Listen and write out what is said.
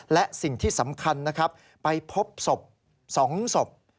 และสิ่งที่สำคัญนะครับไปพบศพ๒ศพ